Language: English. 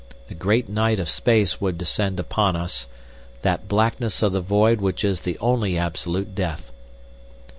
The great night of space would descend upon us—that blackness of the void which is the only absolute death.